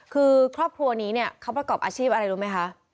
คือครอบครัวนี้เนี่ยเขาประกอบอาชีพอะไรรู้ไหมคะ